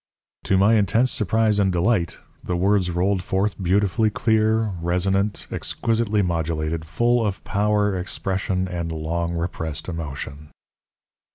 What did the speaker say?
"To my intense surprise and delight the words rolled forth beautifully clear, resonant, exquisitely modulated, full of power, expression, and long repressed emotion.